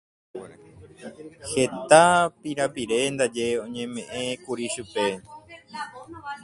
Heta pirapire ndaje oñemeʼẽkuri chupe.